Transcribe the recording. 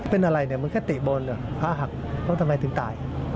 เป็นอะไรเนี่ยมันก็ติบนผ้าหักแล้วทำไมถึงตาย